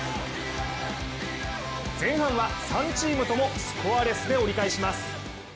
前半は３チームともスコアレスで折り返します。